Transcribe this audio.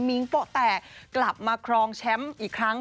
ิ้งโป๊ะแตกกลับมาครองแชมป์อีกครั้ง